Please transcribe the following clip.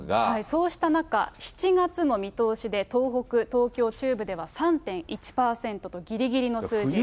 そうした中、７月の見通しで東北、東京、中部では３．１％とぎりぎりの数字。